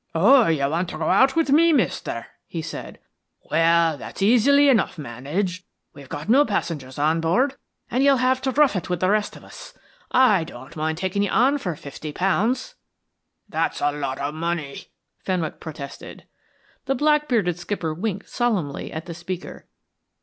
"Oh, you want to go out with me, mister?" he said. "Well, that's easily enough managed. We've got no passengers on board, and you'll have to rough it with the rest of us. I don't mind taking you on for fifty pounds." "That's a lot of money," Fenwick protested. The black bearded skipper winked solemnly at the speaker.